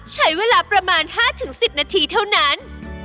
ใช้เวลาประมาณ๕๑๐นาทีเท่านั้น